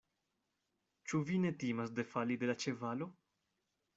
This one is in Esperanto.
Ĉu vi ne timas defali de la ĉevalo?